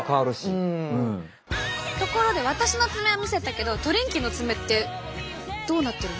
ところで私の爪は見せたけどトリンキーの爪ってどうなってるの？